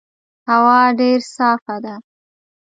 هوا ډېر صافه ده.